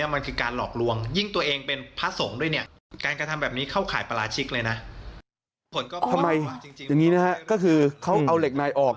ทำไมอย่างนี้นะฮะก็คือเขาเอาเหล็กในออก